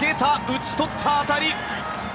打ち取った当たり。